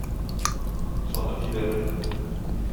Сатып җибәрер.